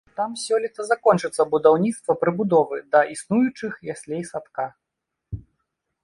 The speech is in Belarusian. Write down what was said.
Там сёлета закончыцца будаўніцтва прыбудовы да існуючых яслей-садка.